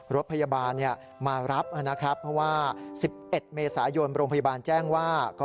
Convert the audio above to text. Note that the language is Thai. รถพยาบาลมารับนะครับเพราะว่า๑๑เมษายนโรงพยาบาลแจ้งว่า